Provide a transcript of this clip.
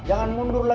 jangan mundur lagi